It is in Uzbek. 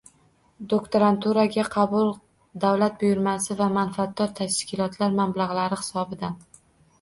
Doktoranturaga qabul davlat buyurtmasi va manfaatdor tashkilotlar mablag‘lari hisobidan